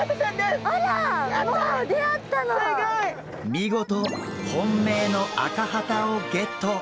見事本命のアカハタをゲット。